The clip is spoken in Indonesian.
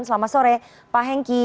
selamat sore pak hengki